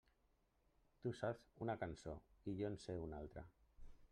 Tu saps una cançó i jo en sé una altra.